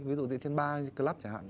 ví dụ diễn trên bar club chẳng hạn